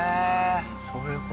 そういう事。